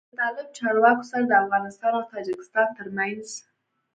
له طالب چارواکو سره د افغانستان او تاجکستان تر منځ